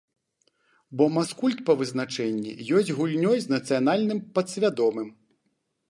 Бо маскульт па вызначэнні ёсць гульнёй з нацыянальным падсвядомым.